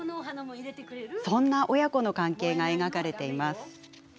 そんな親子の関係が描かれています。